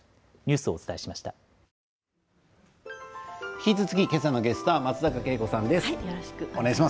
引き続き、今朝のゲストは松坂慶子さんです。